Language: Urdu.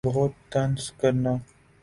بَہُت طنز کرنا